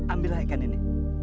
ambillah ikan ini